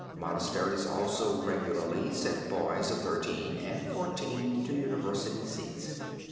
Monasteries also regularly sent boys of thirteen and fourteen to university seats.